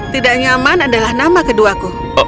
tidak nyaman adalah nama keduaku